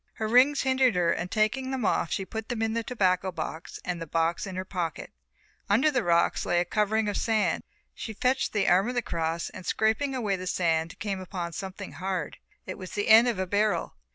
Her rings hindered her and taking them off she put them in the tobacco box and the box in her pocket. Under the rocks lay a covering of sand, she fetched the arm of the cross and scraping away at the sand came upon something hard, it was the end of a barrel.